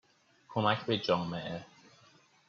کمک به جامعه